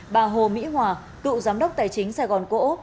bà hồ mỹ hòa cựu giám đốc tài chính sài gòn cộ